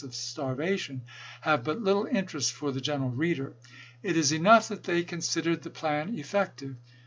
of starvation," have but little interest for the gen eral reader. It is enough that they considered the plan effective.